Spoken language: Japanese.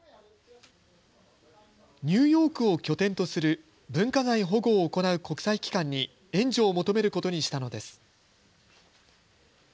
ニューヨークを拠点とする文化財保護を行う国際機関に、援助を求めることにしたのです。